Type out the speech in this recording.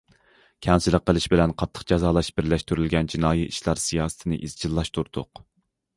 كەڭچىلىك قىلىش بىلەن قاتتىق جازالاش بىرلەشتۈرۈلگەن جىنايى ئىشلار سىياسىتىنى ئىزچىللاشتۇردۇق.